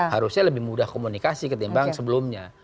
harusnya lebih mudah komunikasi ketimbang sebelumnya